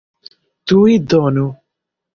Tuj donu!